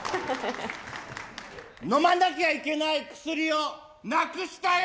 飲まなきゃいけない薬をなくしたよ。